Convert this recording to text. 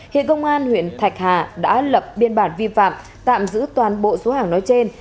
hiện công an huyện thạch hà đã lập biên bản vi phạm tạm giữ toàn bộ số hàng nói trên